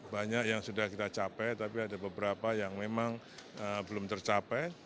banyak yang sudah kita capai tapi ada beberapa yang memang belum tercapai